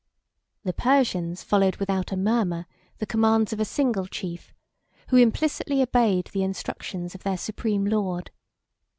The Persians followed, without a murmur, the commands of a single chief, who implicitly obeyed the instructions of their supreme lord.